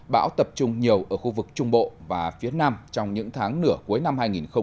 bão tập trung nhiều ở khu vực trung bộ và phía nam trong những tháng nửa cuối năm hai nghìn hai mươi